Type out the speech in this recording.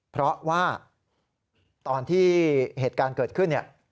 เพราะว่าตอนที่เหตุการณ์เกิดขึ้นเนี่ย